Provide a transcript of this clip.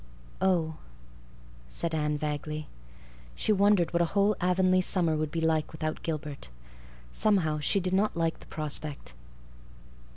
"Oh," said Anne vaguely. She wondered what a whole Avonlea summer would be like without Gilbert. Somehow she did not like the prospect.